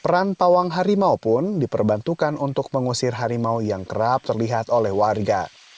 dan pawang harimau pun diperbantukan untuk mengusir harimau yang kerap terlihat oleh warga